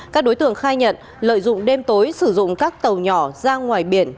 các đối tượng khai nhận lợi dụng đêm tối sử dụng các tàu nhỏ ra ngoài biển